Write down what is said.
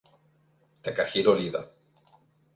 Takahiro Iida